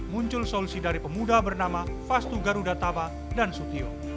muncul solusi dari pemuda bernama fastu garuda taba dan sutio